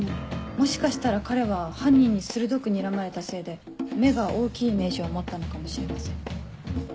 もしかしたら彼は犯人に鋭くにらまれたせいで目が大きいイメージを持ったのかもしれません。